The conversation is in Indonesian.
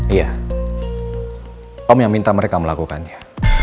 iya om yang minta mereka melakukannya